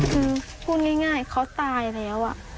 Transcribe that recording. คือพูดง่ายเขาตายแล้ว